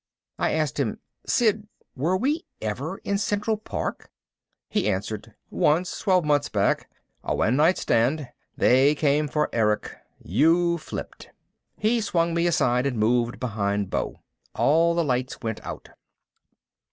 I asked him, "Sid, were we ever in Central Park?" He answered, "Once twelve months back. A one night stand. They came for Erich. You flipped." He swung me aside and moved behind Beau. All the lights went out.